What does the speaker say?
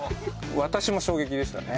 私も衝撃でしたね